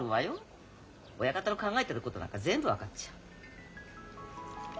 親方の考えてることなんか全部分かっちゃう。